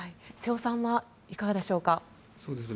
瀬尾さんはいかがでしょうか。